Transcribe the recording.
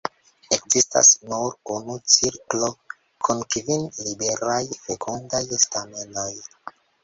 Ekzistas nur unu cirklo kun kvin liberaj, fekundaj stamenoj.